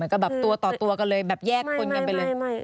ก็แบบตัวต่อตัวกันเลยแบบแยกคนกันไปเลย